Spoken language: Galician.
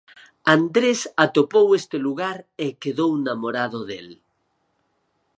Andrés atopou este lugar e quedou namorado del.